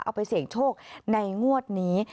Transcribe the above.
เอาไปเสี่ยงโชคในงวดนี้